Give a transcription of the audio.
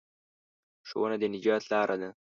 ښوونه د نجات لاره ده.